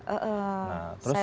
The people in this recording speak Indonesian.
nah terus gimana